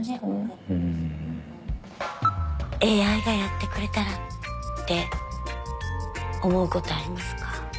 ＡＩがやってくれたらって思うことありますか？